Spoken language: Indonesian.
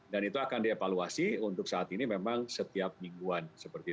dan itu akan dievaluasi untuk saat ini memang setiap mingguan